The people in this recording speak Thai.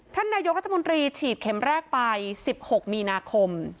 ท่านนายกรัฐมนตรีฉีดเข็มแรกไป๑๖มีนาคม